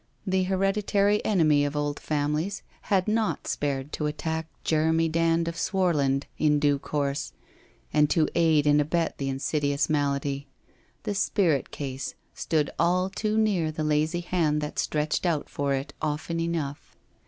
The hereditary enemy of old families had not spared to attack Jeremy Dand of Swarland, in due course, and to aid and abet the insidious malady, the spirit case stood all too near the lazy hand that was stretched out for it often enough.